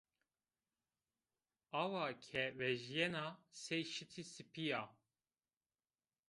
Awa ke vejîyena, sey şitî sipî ya